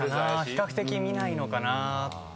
比較的見ないのかな。